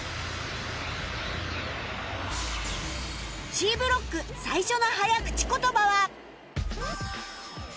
Ｃ ブロック最初の早口言葉は